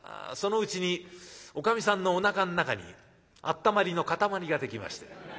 そのうちにおかみさんのおなかの中にあったまりのかたまりができまして。